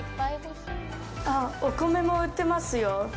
お米も売ってますよ。